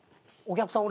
お客さん